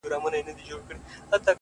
د انتظار دې پر پدره سي لعنت شېرينې _